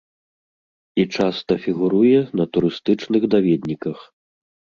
І часта фігуруе на турыстычных даведніках.